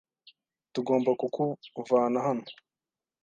Tugomba kukuvana hano.